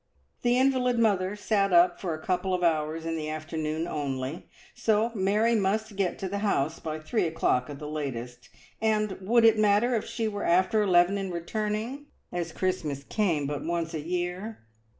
The invalid mother sat up for a couple of hours in the afternoon only, so Mary must get to the house by three o'clock at the latest, and would it matter if she were after eleven in returning, as Christmas came but once a year?